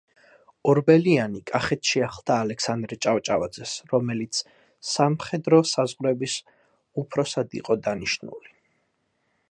ორბელიანი კახეთში ახლდა ალექსანდრე ჭავჭავაძეს, რომელიც სამხედრო საზღვრების უფროსად იყო დანიშნული.